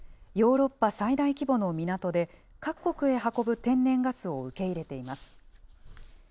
ヨーロッパ最大規模の港で、各国へ運ぶ天然ガスを受け入れています。